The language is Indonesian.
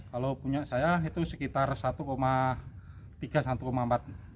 kalau punya saya itu sekitar satu tiga satu empat juta